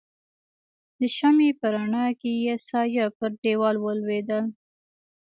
د شمعې په رڼا کې يې سایه پر دیوال ولوېدل.